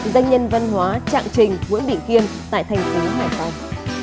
danh nhân văn hóa trạng trình nguyễn bỉ kiên tại thành phố hải phòng